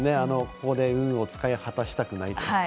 ここで運を使い果たしたくないと。